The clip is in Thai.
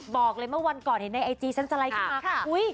บอกเลยเมื่อวันก่อนเห็นในไอจีฉันสไลด์ขึ้นมาค่ะ